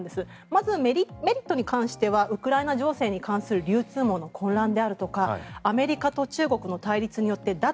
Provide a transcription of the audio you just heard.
まずメリットに関してはウクライナ情勢に関する流通網の混乱であるとかアメリカと中国の対立によって脱